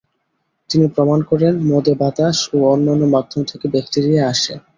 তিনি প্রমাণ করেন, মদে বাতাস ও অন্যান্য মাধ্যম থেকে ব্যাক্টেরিয়া আসে।